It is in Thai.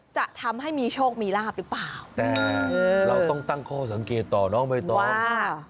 จะทำให้มีโชคมีลาบหรือเปล่าแต่เราต้องตั้งข้อสังเกตต่อน้องใบตองค่ะ